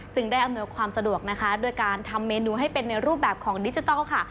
ได้อำนวยความสะดวกนะคะโดยการทำเมนูให้เป็นในรูปแบบของดิจิทัลค่ะ